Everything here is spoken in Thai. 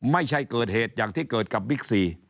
ไม่ใช่เกิดเหตุอย่างที่เกิดกับบิ๊กซี